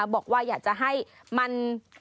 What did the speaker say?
บอกว่าอยากจะให้มัน